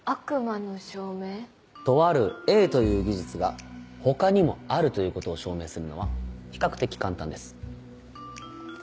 とある「Ａ」という技術が他にもあるということを証明するのは比較的簡単です。